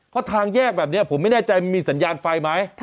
เพราะทางแยกแบบนี้ผมไม่แน่ใจมันมีสัญญาณไฟไหม